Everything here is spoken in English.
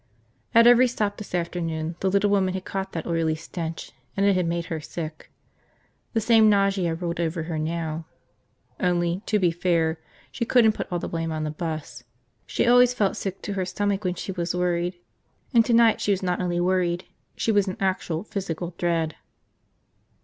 At every stop this afternoon the little woman had caught that oily stench and it had made her sick. The same nausea rolled over her now. Only, to be fair, she couldn't put all the blame on the bus. She always felt sick to her stomach when she was worried. And tonight she was not only worried, she was in actual physical dread.